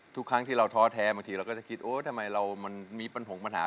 ทุกครั้งที่เราท้อแท้บางทีเราก็จะคิดโอ๊ยทำไมเรามันมีปัญหาผงปัญหา